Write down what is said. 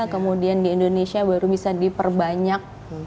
kemudian di indonesia baru bisa diperbanyak